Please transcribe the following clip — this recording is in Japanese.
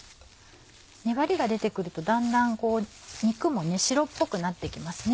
粘りが出て来るとだんだん肉も白っぽくなって来ますね。